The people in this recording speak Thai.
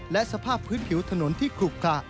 และสภาพพื้นผิวถนนที่ขลุกกะ